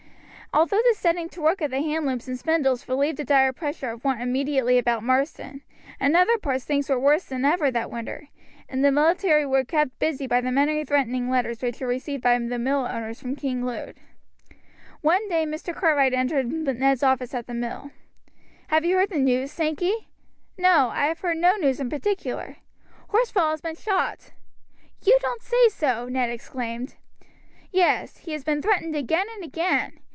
Although the setting to work of the hand looms and spindles relieved the dire pressure of want immediately about Marsden, in other parts things were worse than ever that winter, and the military were kept busy by the many threatening letters which were received by the mill owners from King Lud. One day Mr. Cartwright entered Ned's office at the mill. "Have you heard the news, Sankey?" "No, I have heard no news in particular." "Horsfall has been shot." "You don't say so!" Ned exclaimed. "Yes, he has been threatened again and again.